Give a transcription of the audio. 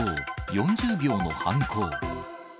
４０秒の犯行。